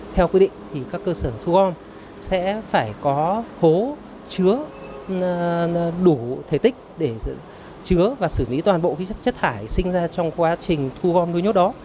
theo quy định thì các cơ sở thu gom sẽ phải có khố chứa đủ thể tích để chứa và xử lý toàn bộ chất thải sinh ra trong quá trình thu gom nuôi nhốt đó